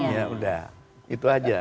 ya udah itu aja